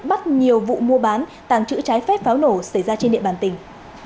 bắt nhiều vụ mua bán tàng trữ trái phép pháo nổ xảy ra trên địa bàn tỉnh